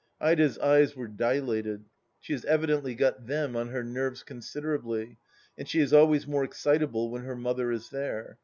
..." Ida's eyes were dilated. ... She has evidently got Them on her nerves considerably, and she is always more excitable when her mother is there.